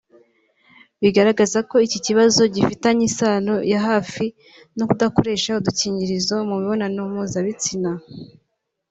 bigaragaza ko iki kibazo gifitanye isano ya hafi no kudakoresha udukingirizo mu mibonano mpuzabitsina